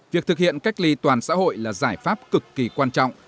việc thực hiện cách ly toàn xã hội là giải pháp cực kỳ quan trọng